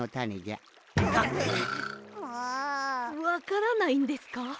わからないんですか？